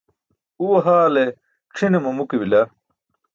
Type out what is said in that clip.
Uwe haale ćʰi̇ne mamu ke bila.